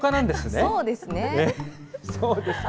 そうですか。